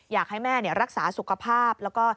อยากให้แม่รักษาสุขภาพแล้วก็